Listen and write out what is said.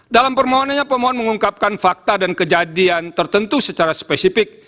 dalam permohonannya pemohon mengungkapkan fakta dan kejadian tertentu secara spesifik